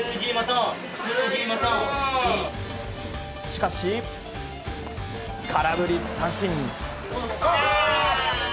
しかし、空振り三振。